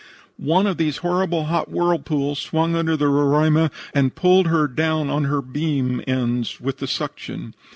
"One of these horrible hot whirlpools swung under the Roraima and pulled her down on her beam ends with the suction.